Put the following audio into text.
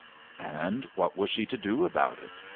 And what was she to do about it?